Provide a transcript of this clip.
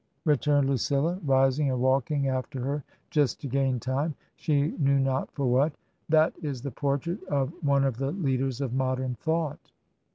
returned Lucilla, rising and walking after her just to gain time — she knew not for what. "That is the portrait of one of the leaders of modem thought."